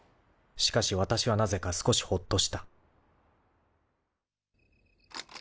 ［しかしわたしはなぜか少しほっとした］